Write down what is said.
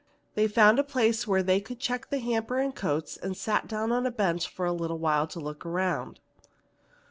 They found a place where they could check the hamper and coats, and sat down on a bench for a little to look around.